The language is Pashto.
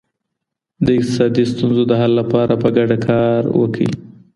د اقتصادي ستونزو د حل لپاره په ګډه کار وکړئ.